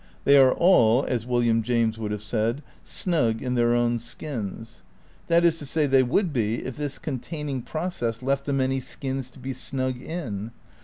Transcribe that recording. They are all, as William James would have said, "snug in their own skins." That is to say they would be if this containing process left them any skins to be snug in.